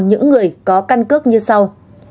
những người có căn cước như sau